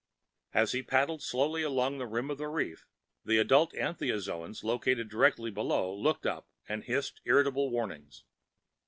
As he paddled slowly along the rim of the reef, the adult anthozoans located directly below looked up and hissed irritable warnings.